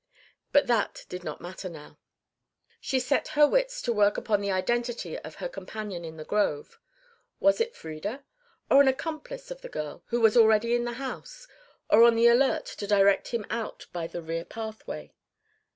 But that did not matter now. She set her wits to work upon the identity of her companion in the grove. Was it Frieda? Or an accomplice of the girl, who was already in the house or on the alert to direct him out by the rear pathway?